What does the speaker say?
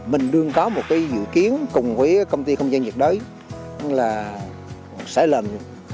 mình đương có một cái dự kiến cùng với công ty không gian nhiệt đới là sẽ lên